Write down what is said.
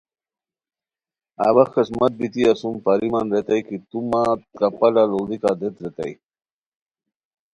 اوا خسمت بیتی اسوم پاریمان ریتائے کی، تو مہ کپالہ لوڑیکا دیت ریتائے